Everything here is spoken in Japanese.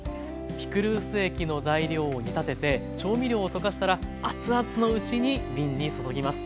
ピクルス液の材料を煮立てて調味料を溶かしたら熱々のうちに瓶に注ぎます。